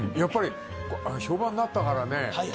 評判だったからね。